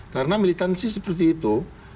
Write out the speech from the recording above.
karena militansi seperti itu